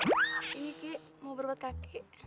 ini kik mau berbuat kakek